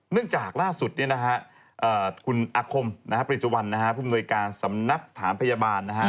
เนื่องจากล่าสุดคุณอะคมกริจวัลพรข์ปริจิวัลพิมเรการนักสถานพยาบาล